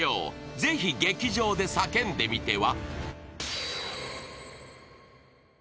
ぜひ劇場で叫んでみては？